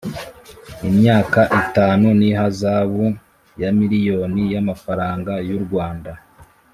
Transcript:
imyaka itanu nihazabu yamiliyoni yamafaranga yuRwandan